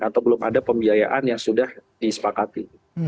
atau belum ada pembiayaan yang sudah di sepakati